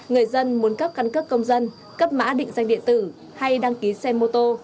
người dân muốn cấp căn cước công dân cấp mã định danh điện tử hay đăng ký xe mô tô